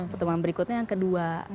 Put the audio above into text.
pertemuan berikutnya yang kedua